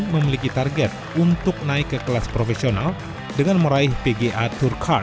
memiliki target untuk naik ke kelas profesional dengan meraih pga tour car